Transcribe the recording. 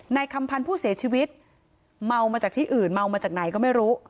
คำพันธ์ผู้เสียชีวิตเมามาจากที่อื่นเมามาจากไหนก็ไม่รู้